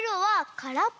からっぽ。